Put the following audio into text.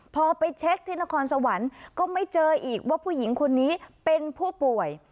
พอไปเช็คที่นครสวรรค์ก็ไม่เจออีกว่าผู้หญิงคนนี้เป็นผู้ป่วย